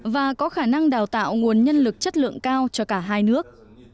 và có khả năng đào tạo nguồn nhân lực chất lượng cao cho cả hai nước